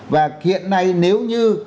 và kiện này nếu như